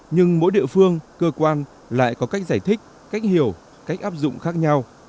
nhưng mỗi địa phương cơ quan lại có cách giải thích cách hiểu cách áp dụng khác nhau